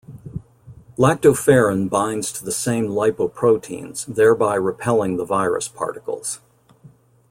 Lactoferrin binds to the same lipoproteins thereby repelling the virus particles.